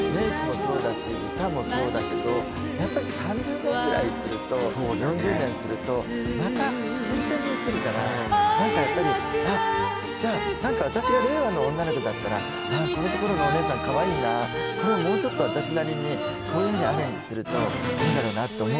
そうだし歌もそうだけどやっぱり３０年ぐらいすると４０年するとまた新鮮にうつるから何かやっぱりじゃあ何か私が令和の女の子だったらこういうところがお姉さんかわいいな私なりにこういう風にアレンジするといいだろうなと思う